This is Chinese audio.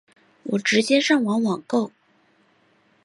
我直接上网网购